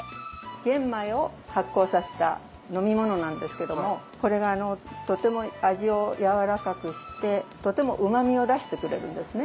玄米を発酵させた飲み物なんですけどもこれがとても味をやわらかくしてとてもうまみを出してくれるんですね。